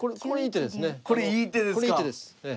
これはいい手ですね。